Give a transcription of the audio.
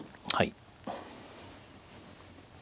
はい。